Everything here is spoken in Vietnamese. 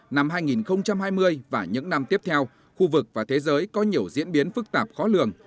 năm hai nghìn hai mươi và những năm tiếp theo khu vực và thế giới có nhiều diễn biến phức tạp khó lường